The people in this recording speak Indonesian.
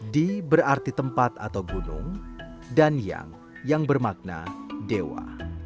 di berarti tempat atau gunung dan yang bermakna dewa